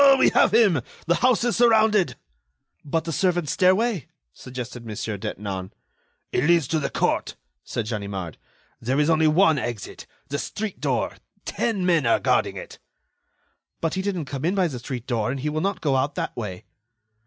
"We have him. The house is surrounded." "But the servant's stairway?" suggested Mon. Detinan. "It leads to the court," said Ganimard. "There is only one exit—the street door. Ten men are guarding it." "But he didn't come in by the street door, and he will not go out that way."